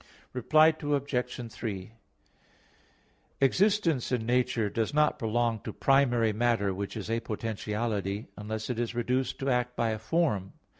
Reply Obj. 3: Existence in nature does not belong to primary matter, which is a potentiality, unless it is reduced to act by a form.